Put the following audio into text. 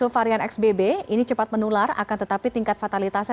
varian xbb ini cepat menular akan tetapi tingkat fatalitasnya